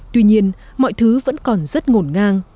tuy nhiên mọi thứ vẫn còn rất ngổn ngang